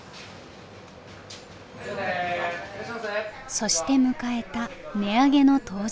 そして迎えた値上げの当日。